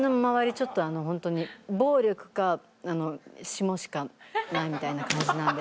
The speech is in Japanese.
ちょっとあのホントに暴力かシモしかないみたいな感じなんで。